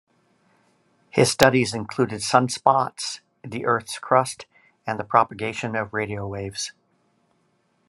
His studies included sunspots, the Earth's crust, and the propagation of radio waves.